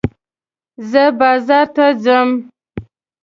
زه بازار ته ځم.